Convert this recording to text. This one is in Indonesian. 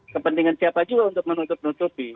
kepentingan siapa juga untuk menutup nutupi